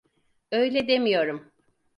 Öyle demiyorum.